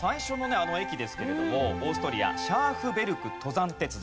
あの駅ですけれどもオーストリアシャーフベルク登山鉄道。